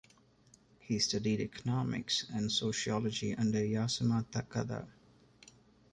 He studied economics and sociology under Yasuma Takada.